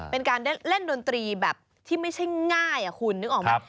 เป็นการเล่นดนตรีแบบที่ไม่ใช่ง่ายคุณนึกออกไหม